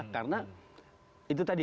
karena itu tadi